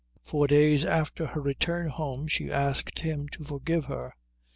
Four days after her return home she asked him to forgive her.